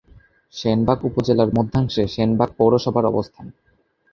সেনবাগ উপজেলার মধ্যাংশে সেনবাগ পৌরসভার অবস্থান।